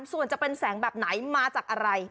ส่วนจะเป็นแสงแบบไหนมาจากอะไร